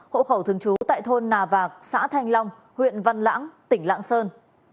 hộ khẩu thường trú tại thôn nà vạc xã thanh long huyện văn lãng tỉnh lạng sơn